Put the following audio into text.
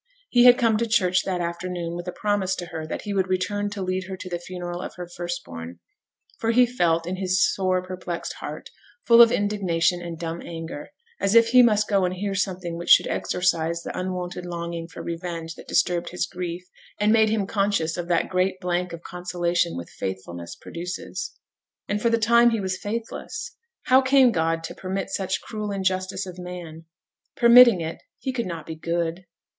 He had come to church that afternoon, with a promise to her that he would return to lead her to the funeral of her firstborn; for he felt, in his sore perplexed heart, full of indignation and dumb anger, as if he must go and hear something which should exorcize the unwonted longing for revenge that disturbed his grief, and made him conscious of that great blank of consolation which faithfulness produces. And for the time he was faithless. How came God to permit such cruel injustice of man? Permitting it, He could not be good.